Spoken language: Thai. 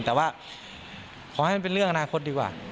แต่ว่าขอให้มันเป็นเรื่องอนาคตดีกว่า